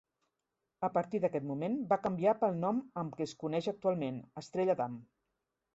A partir d'aquest moment va canviar pel nom amb què es coneix actualment, Estrella Damm.